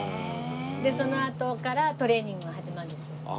でそのあとからトレーニングが始まるんですよ。